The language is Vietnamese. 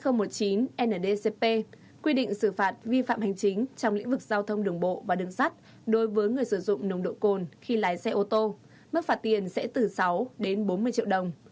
nghị định xử phạt vi phạm hành chính trong lĩnh vực giao thông đường bộ và đường sắt đối với người sử dụng nồng độ cồn khi lái xe ô tô mức phạt tiền sẽ từ sáu bốn mươi triệu đồng